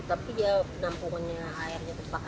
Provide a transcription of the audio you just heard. tapi ya penampungannya airnya terpakai